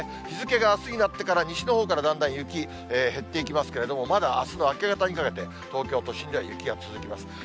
日付があすになってから、西のほうからだんだん雪減っていきますけれども、まだあすの明け方にかけて、東京都心では雪が続きます。